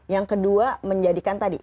yang kedua menjadikan tadi